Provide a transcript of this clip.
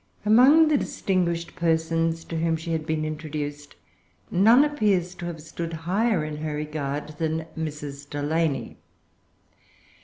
Among the distinguished persons to whom she had been introduced, none appears to have stood higher in her regard than Mrs. Delany.